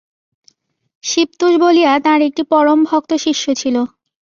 শিবতোষ বলিয়া তাঁর একটি পরম ভক্ত শিষ্য ছিল।